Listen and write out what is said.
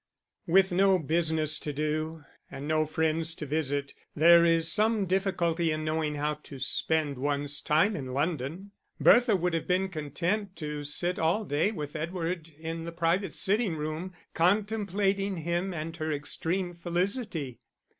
With no business to do and no friends to visit, there is some difficulty in knowing how to spend one's time in London. Bertha would have been content to sit all day with Edward in the private sitting room, contemplating him and her extreme felicity.